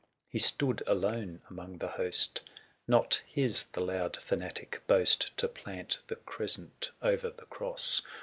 250 He stood alone among the host; Not his the loud fanatic boast To plant the crescent o'er the cross.